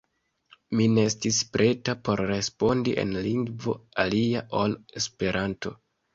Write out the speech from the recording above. Mi ne estis preta por respondi en lingvo alia ol Esperanto.